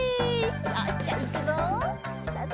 よしじゃいくぞ！